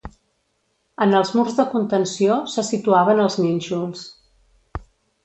En els murs de contenció se situaven els nínxols.